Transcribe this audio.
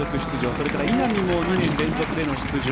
それから稲見も２年連続での出場。